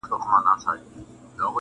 نن هغه توره د ورور په وينو سره ده؛